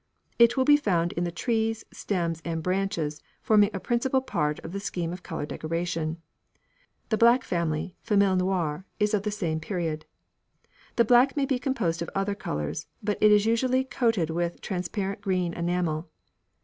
It will be found in the trees, stems, and branches, forming a principal part of the scheme of colour decoration. The black family "famille noire" is of the same period. The black may be composed of other colours, but it is usually coated with a transparent green enamel.